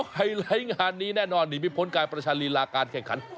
ไฮไลท์งานนี้แน่นอนขพกายประชานรีราคาแค่คัน